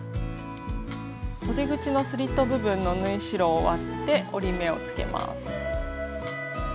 そで口のスリット部分の縫い代を割って折り目をつけます。